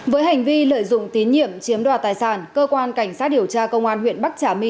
với hành vi lợi dụng tín nhiệm chiếm đoạt tài sản cơ quan cảnh sát điều tra công an huyện bắc trà my